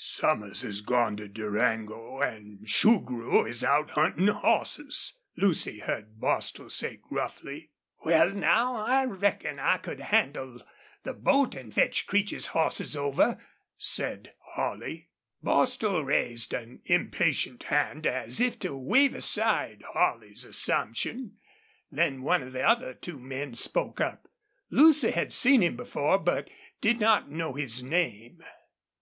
"Somers has gone to Durango an' Shugrue is out huntin' hosses," Lucy heard Bostil say, gruffly. "Wal now, I reckon I could handle the boat an' fetch Creech's hosses over," said Holley. Bostil raised an impatient hand, as if to wave aside Holley's assumption. Then one of the other two men spoke up. Lucy had seen him before, but did not know his name.